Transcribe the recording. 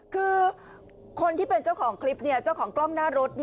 คือคนที่เป็นเจ้าของคลิปเจ้าของกล้องหน้ารถ